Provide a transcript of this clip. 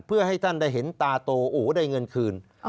เพื่อให้ท่านได้เห็นตาโตโอ้โหได้เงินคืน